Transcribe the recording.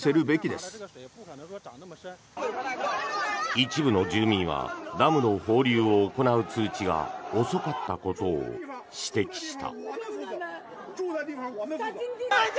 一部の住民はダムの放流を行う通知が遅かったことを指摘した。